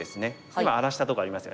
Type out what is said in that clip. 今荒らしたとこありますよね。